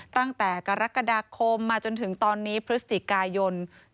ตั้งแต่กรกฎาคมมาจนถึงตอนนี้พฤศจิกายน